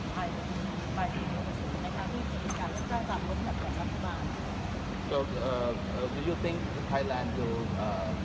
การสตาร์ทสถานกบทที่อาทิบาย